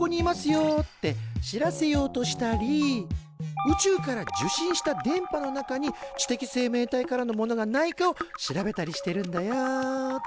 よって知らせようとしたり宇宙から受信した電波の中に知的生命体からのものがないかを調べたりしてるんだよ。